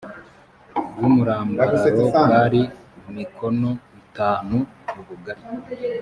bw umurambararo bwari mikono itanu ubugari